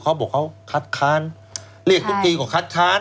เขาบอกว่าเขาคัดค้านเรียกกว่าคัดค้าน